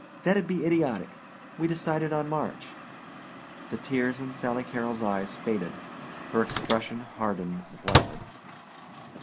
"That'd be idiotic. We decided on March." The tears in Sally Carrol's eyes faded; her expression hardened slightly.